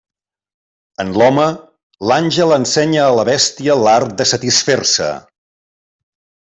En l'home, l'àngel ensenya a la bèstia l'art de satisfer-se.